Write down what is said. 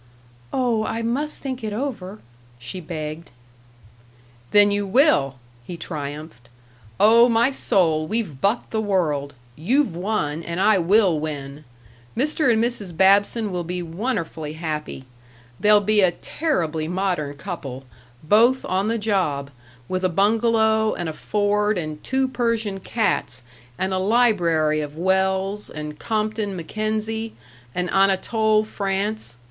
"Oh, I must think it over," she begged. "Then you will!" he triumphed. "Oh, my soul, we've bucked the world you've won, and I will win. Mr. and Mrs. Babson will be won'erfully happy. They'll be a terribly modern couple, both on the job, with a bungalow and a Ford and two Persian cats and a library of Wells, and Compton Mackenzie, and Anatole France.